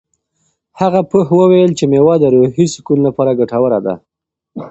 هغه پوه وویل چې مېوه د روحي سکون لپاره ګټوره ده.